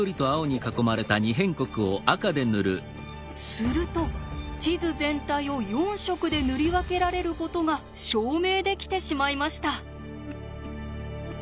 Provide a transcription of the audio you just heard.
すると地図全体を４色で塗り分けられることが証明できてしまいました。